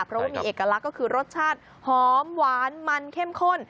เพราะว่ามีเอกลักษณ์ก็คือรสชาติหอมหวานมันเข้มข้น